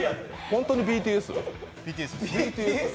本当にＢＴＳ？